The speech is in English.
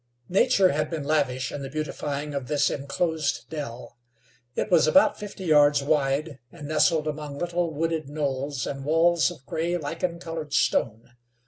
Nature had been lavish in the beautifying of this inclosed dell. It was about fifty yards wide, and nestled among little, wooded knolls and walls of gray, lichen covered stone.